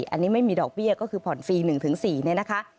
อันนี้ไม่มีดอกเบี้ยก็คือผ่อนฟรี๑๔เนี่ยนะคะ